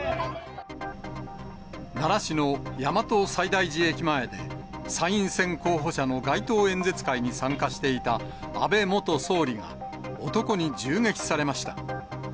奈良市の大和西大寺駅前で、参院選候補者の街頭演説会に参加していた安倍元総理が、男に銃撃されました。